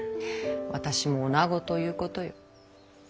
私も女ということよ。